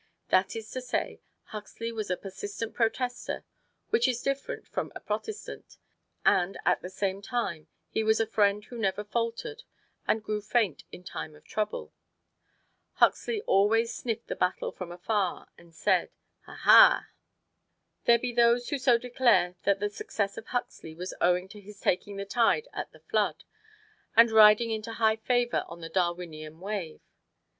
That is to say, Huxley was a persistent protester (which is different from a protestant), and at the same time, he was a friend who never faltered and grew faint in time of trouble. Huxley always sniffed the battle from afar and said, Ha! Ha! There be those who do declare that the success of Huxley was owing to his taking the tide at the flood, and riding into high favor on the Darwinian wave.